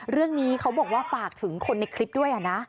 เรื่องนี้เขาบอกว่าฝากถึงคนในคลิปด้วยนะ